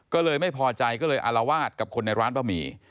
ก็เลยไม่พอใจก็เลยอารวาสกับคนในร้านบะหมี่